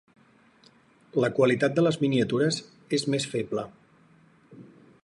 La qualitat de les miniatures és més feble.